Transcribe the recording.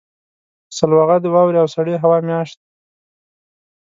سلواغه د واورې او سړې هوا میاشت ده.